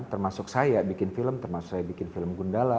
termasuk saya bikin film termasuk saya bikin film gundala